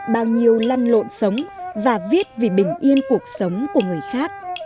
bao nhiêu lăn lộn sống và viết vì bình yên cuộc sống của người khác